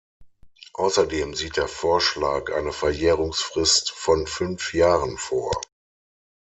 Außerdem sieht der Vorschlag eine Verjährungsfrist von fünf Jahren vor.